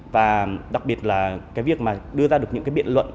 và đặc biệt là cái việc mà đưa ra được những cái biện luận